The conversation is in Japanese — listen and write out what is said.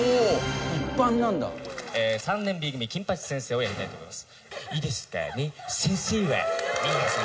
「『３年Ｂ組金八先生』をやりたいと思います」